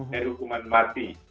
dari hukuman mati